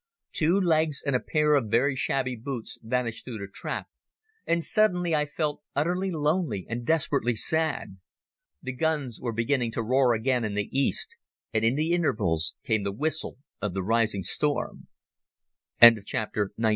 Two legs and a pair of very shabby boots vanished through the trap, and suddenly I felt utterly lonely and desperately sad. The guns were beginning to roar again in the east, and in the intervals came the whistle of the rising storm. CHAPTER XX.